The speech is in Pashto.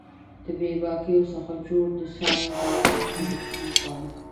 د بې باکیو څخه جوړ د څانګو غیږ کې د شنو پاڼو